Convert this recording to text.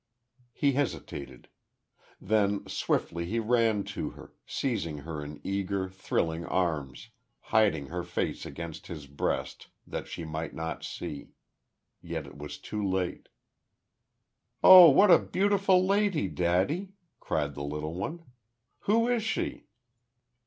He hesitated.... Then swiftly he ran to her, seizing her in eager, thrilling arms, hiding her face against his breast, that she might not see Yet was it too late. "Oh, what a beautiful lady, daddy!" cried the little one. "Who is she?"